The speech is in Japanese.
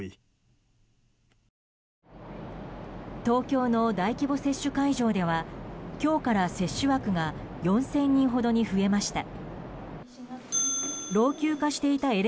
東京の大規模接種会場では今日から接種枠が４０００人ほどに増えました。